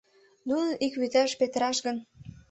Нуным ик вӱташ петыраш гын...